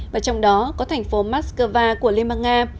và trong đó có thành phố moscow của liên bang nga